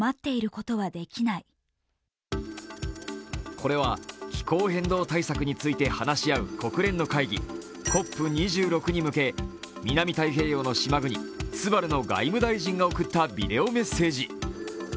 これは気候変動対策について話し合う国連の会議、ＣＯＰ２６に向け南太平洋の島国ツバルの外務大臣が送ったビデオメッセージ。